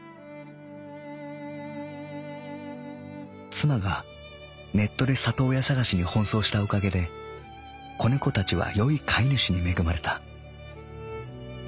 妻がネットで里親探しに奔走したおかげで仔猫たちはよい飼い主に恵まれた。